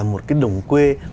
một cái đồng quê